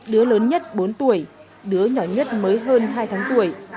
đứa lớn nhất bốn tuổi đứa nhỏ nhất mới hơn hai tháng tuổi